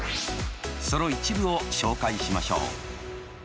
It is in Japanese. その一部を紹介しましょう。